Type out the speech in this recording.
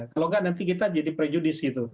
kalau nggak nanti kita jadi prejudis gitu